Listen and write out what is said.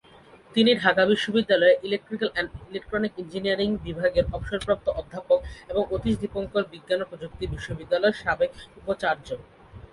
তিনি ঢাকা বিশ্ববিদ্যালয়ের electrical and electronic engineering বিভাগের অবসরপ্রাপ্ত অধ্যাপক এবং অতীশ দীপঙ্কর বিজ্ঞান ও প্রযুক্তি বিশ্ববিদ্যালয়ের সাবেক উপাচার্য।